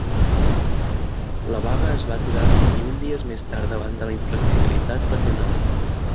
La vaga es va aturar vint-i-un dies més tard davant de la inflexibilitat patronal.